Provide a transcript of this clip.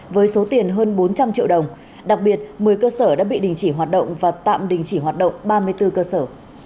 với số tiền hơn bốn trăm linh triệu đồng đặc biệt một mươi cơ sở đã bị đình chỉ hoạt động và tạm đình chỉ hoạt động ba mươi bốn cơ sở